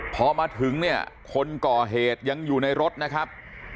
พอมาถึงเนี่ยคนก่อเหตุยังอยู่ในรถนะครับ